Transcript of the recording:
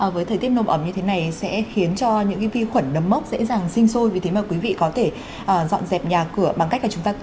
với thời tiết nồm ẩm như thế này sẽ khiến cho những vi khuẩn nấm mốc dễ dàng sinh sôi vì thế mà quý vị có thể dọn dẹp nhà cửa bằng cách là chúng ta